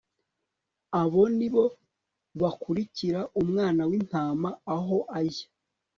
abo ni bo bakurikira umwana w intama aho ajya